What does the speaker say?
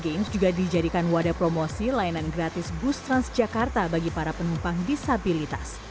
asian para games juga dijadikan wadah promosi layanan gratis bus trans jakarta bagi para penumpang disabilitas